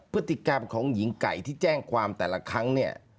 พฤติกรรมของหญิงไก่ที่แจ้งความแต่ละครั้งเนี่ย